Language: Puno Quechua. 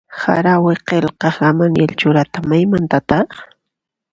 Harawi qillqaq Gamaliel Churata maymantataq?